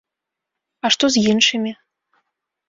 А што з іншымі?